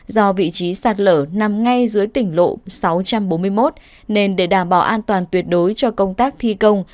do vị trí sạt lở nằm ngay dưới tỉnh lộ sáu trăm bốn mươi một nên để đảm bảo an toàn tuyệt đối cho công tác thi công